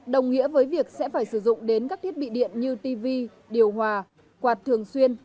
đồng nghĩa với việc sẽ phải sử dụng đến các thiết bị điện như tv điều hòa quạt thường xuyên